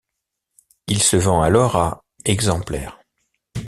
Il se vend alors à exemplaires.